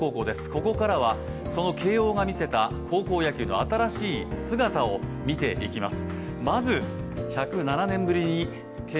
ここからは、その慶応が見せた高校野球の新しい姿を見ていきます。